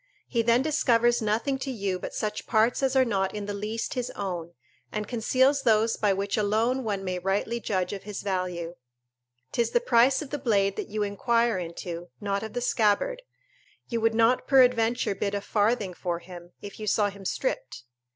He then discovers nothing to you but such parts as are not in the least his own, and conceals those by which alone one may rightly judge of his value. 'Tis the price of the blade that you inquire into, not of the scabbard: you would not peradventure bid a farthing for him, if you saw him stripped.